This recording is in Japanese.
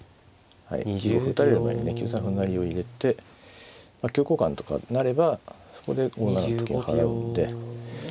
９五歩を打たれる前にね９三歩成を入れて香交換とかなればそこで５七と金を払うんで。